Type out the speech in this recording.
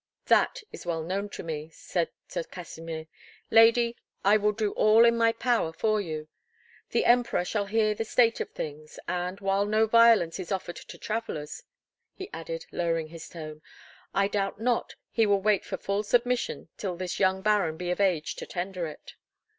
"That is well known to me," said Sir Kasimir. "Lady, I will do all in my power for you. The Emperor shall hear the state of things; and, while no violence is offered to travellers," he added, lowering his tone, "I doubt not he will wait for full submission till this young Baron be of age to tender it."